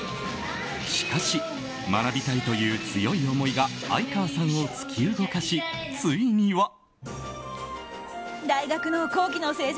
しかし学びたいという強い思いが相川さんを突き動かしついには。